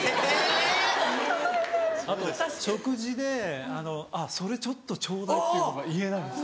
あと食事で「あっそれちょっとちょうだい」っていうのが言えないんです。